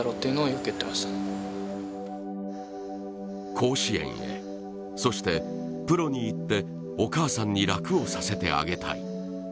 甲子園へ、そしてプロにいってお母さんに楽をさせてあげたい。